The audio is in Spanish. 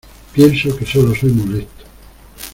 Pienso que solo soy molesto.